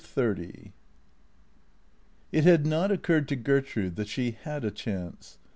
XXX IT had not occurred to Gertrude that she had a chance.